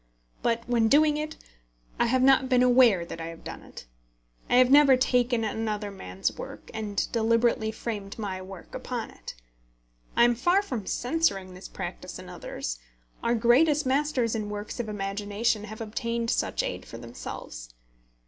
But when doing it I have not been aware that I have done it. I have never taken another man's work, and deliberately framed my work upon it. I am far from censuring this practice in others. Our greatest masters in works of imagination have obtained such aid for themselves.